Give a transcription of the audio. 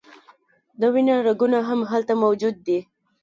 د وینې رګونه هم هلته موجود دي.